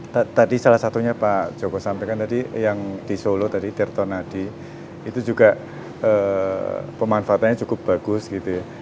tadi salah satunya pak joko sampaikan tadi yang di solo tadi tirtonadi itu juga pemanfaatannya cukup bagus gitu ya